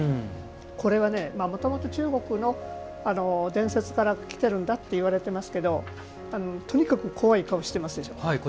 これは、もともと中国の伝説からきてるんだっていわれていますけどとにかく怖い顔してますでしょ。